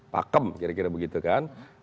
pakem kira kira begitu kan